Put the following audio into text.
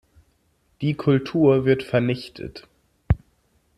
Die Kultur wird vernichtet.